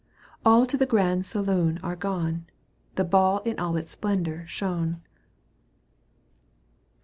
All to the grand saloon are gone — The ball in all its splendour shone.